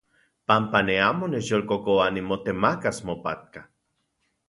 Panpa ne amo nechyolkokoa nimotemakas mopatka.